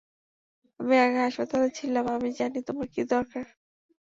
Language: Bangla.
আমি আগে হাসপাতালে ছিলাম, আমি জানি তোমার কী দরকার।